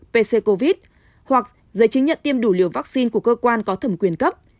pc covid hoặc giấy chứng nhận tiêm đủ liều vaccine của cơ quan có thẩm quyền cấp